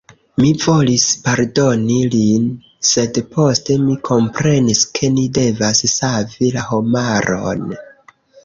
Mi volis pardoni lin, sed poste mi komprenis ke ni devas savi la homaron.